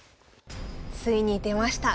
ついに出ました